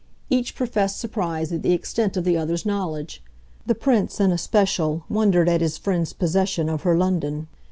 Each professed surprise at the extent of the other's knowledge; the Prince in especial wondered at his friend's possession of her London.